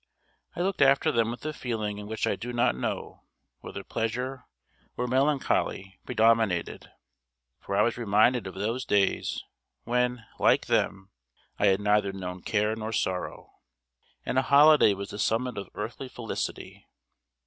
I looked after them with a feeling in which I do not know whether pleasure or melancholy predominated: for I was reminded of those days when, like them, I had neither known care nor sorrow, and a holiday was the summit of earthly felicity.